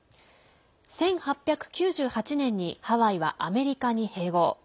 １８９８年にハワイはアメリカに併合。